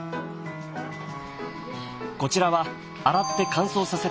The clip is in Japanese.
こちらは洗って乾燥させた米です。